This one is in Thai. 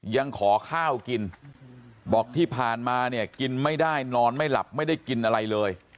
ยังขอข้าวกินบอกที่ผ่านมาเนี่ยกินไม่ได้นอนไม่หลับไม่ได้กินอะไรเลย